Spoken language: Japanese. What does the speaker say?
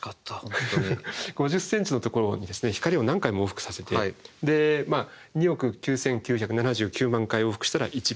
５０ｃｍのところに光を何回も往復させて２億９９７９万回往復したら１秒だと。